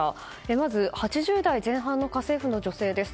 まず、８０代前半の家政婦の女性です。